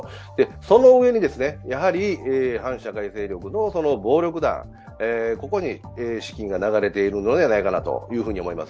その上に反社会勢力の暴力団に資金が流れているのではないかと思います。